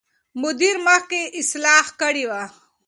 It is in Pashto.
مدیر مخکې اصلاح کړې وه.